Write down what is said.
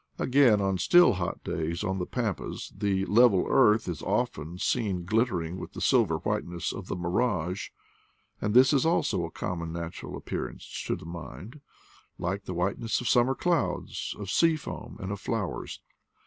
Again, on still hot days on the v pampas the level earth is often seen glittering with the silver whiteness of the mirage; and this is also a common natural appearance to the mind, like the whiteness of summer clouds, of sea foam, and of flowers.